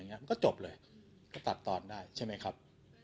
มันก็จบเลยไม่ตัดตอนได้ใช่มั้ยครับ